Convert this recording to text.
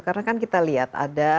karena kan kita lihat ada